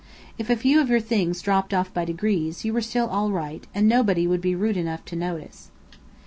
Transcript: If a few of your things dropped off by degrees, you were still all right, and nobody would be rude enough to notice!